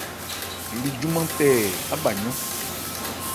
Li júmán tɛɛ á bhaâ yɔ́n.